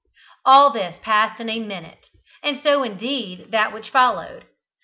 All this passed in a minute, and so indeed did that which followed.